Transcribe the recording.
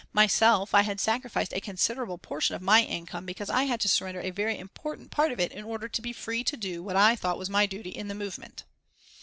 Myself, I had sacrificed a considerable portion of my income because I had to surrender a very important part of it in order to be free to do what I thought was my duty in the movement.